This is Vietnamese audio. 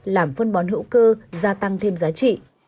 làm phân bón hữu cơ gia tăng thêm giá trị